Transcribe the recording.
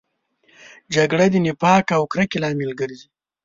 جګړه د نفاق او کرکې لامل ګرځي